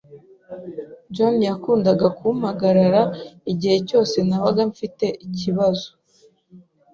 John yakundaga kumpagarara igihe cyose nabaga mfite ibibazo.